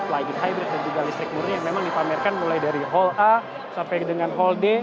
light hybrid dan juga listrik murni yang memang dipamerkan mulai dari hall a sampai dengan hall d